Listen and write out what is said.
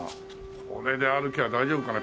これで歩けば大丈夫かな？